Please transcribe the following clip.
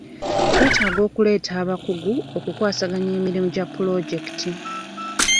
Twetaaga okuleeta abakugu okukwasaganya emirimu gya pulojekiti.